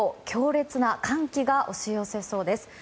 強烈な寒気が押し寄せそうです。